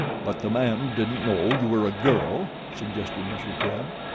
"But the man didn't know you were a girl," suggested Mr. Prim.